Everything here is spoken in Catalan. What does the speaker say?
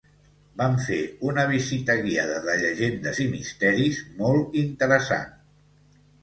Vam fer una visita guiada de llegendes i misteris molt interessant.